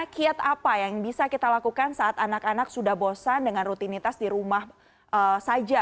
kiat apa yang bisa kita lakukan saat anak anak sudah bosan dengan rutinitas di rumah saja